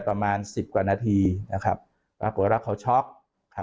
ประมาณ๑๐กว่านาทีนะครับปรากฏแล้วค่ะ